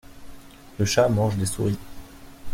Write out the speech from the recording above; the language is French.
Le chat mange des souris.